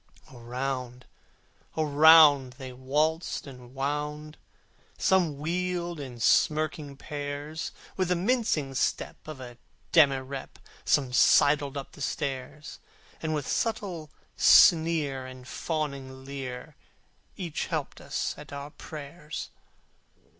Around, around, they waltzed and wound; Some wheeled in smirking pairs; With the mincing step of a demirep Some sidled up the stairs: And with subtle sneer, and fawning leer, Each helped us at our prayers.